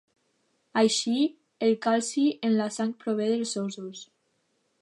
Així, el calci en la sang prové dels ossos.